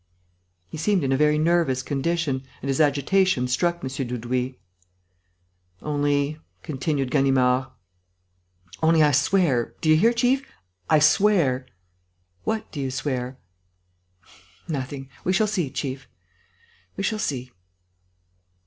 He seemed in a very nervous condition, and his agitation struck M. Dudouis. "Only," continued Ganimard, "only I swear ... do you hear, chief? I swear...." "What do you swear?" "Nothing.... We shall see, chief ... we shall see...."